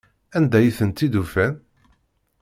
Anda ay tent-id-ufan?